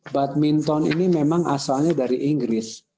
badminton ini memang asalnya dari inggris